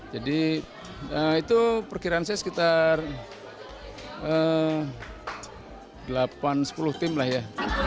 jadi itu perkiraan saya sekitar delapan sepuluh tim lah ya